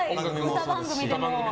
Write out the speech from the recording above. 歌番組でも。